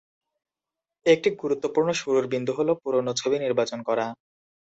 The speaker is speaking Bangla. একটি গুরুত্বপূর্ণ শুরুর বিন্দু হল পুরোনো ছবি নির্বাচন করা।